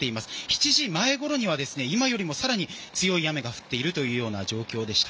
７時前ごろには今よりさらに強い雨が降っているという状況でした。